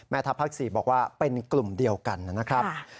ทัพภาค๔บอกว่าเป็นกลุ่มเดียวกันนะครับ